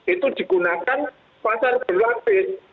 itu digunakan pasar berlapis